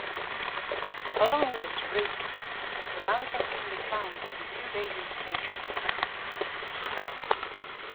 Following this route the mountain can be climbed in two daily stages.